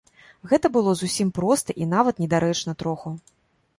Гэта было зусім проста і нават недарэчна троху.